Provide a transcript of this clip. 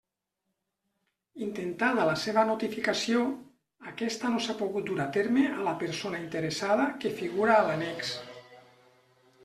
Intentada la seva notificació, aquesta no s'ha pogut dur a terme a la persona interessada que figura a l'annex.